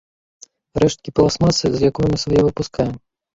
Рэшткі пластмасы, з якой мы сваё выпускаем.